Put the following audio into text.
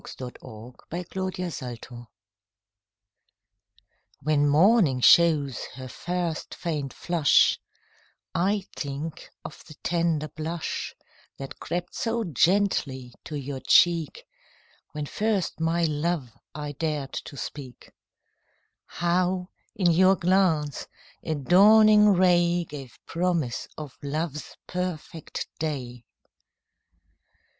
MORNING, NOON AND NIGHT When morning shows her first faint flush, I think of the tender blush That crept so gently to your cheek When first my love I dared to speak; How, in your glance, a dawning ray Gave promise of love's perfect day.